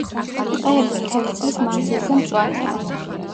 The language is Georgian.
ტყეები მთელი წლის მანძილზე მწვანეა.